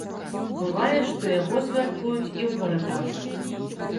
Бывае, што яго святкуюць і ў гарадах.